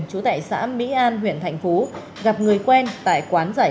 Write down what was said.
chú tại xã mỹ an huyện thạnh phú gặp người quen tại quán giải